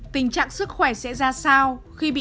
tình trạng sức khỏe sẽ ra sao khi bị tái mắc covid một mươi chín